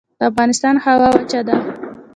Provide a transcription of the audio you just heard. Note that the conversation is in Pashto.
د افغانستان هوا وچه ده